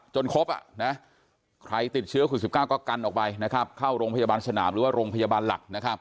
จนครบอ่ะใครติดเชื้อขุด๑๙ก็กันออกไปนะครับเข้าโรงพยาบาลฉนามหรือว่าโรงพยาบาลหลักนะครับ